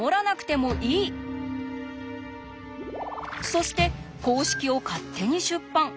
そして公式を勝手に出版。